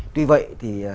tuy vậy thì